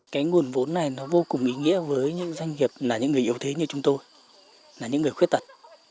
cái nguồn vốn này nó vô cùng ý nghĩa với những doanh nghiệp là những người yếu thế như chúng tôi là những người khuyết tật